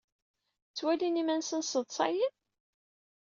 Ttwalin iman-nsent sseḍsayen?